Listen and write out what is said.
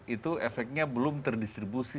itu efeknya belum terdistribusi